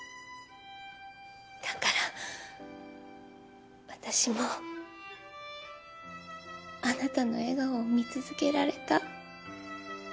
だから私もあなたの笑顔を見続けられた。